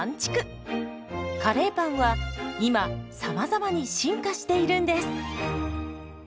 カレーパンは今さまざまに進化しているんです。